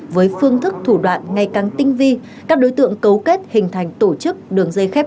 với phương thức thủ đoạn ngày càng tinh vi các đối tượng cấu kết hình thành tổ chức đường dây